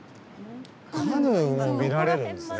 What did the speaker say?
カヌーも見られるんですね。